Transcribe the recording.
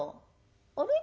「あれ？